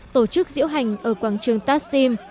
tổ chức diễu hành ở quảng trường tastim